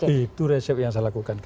itu resep yang saya lakukan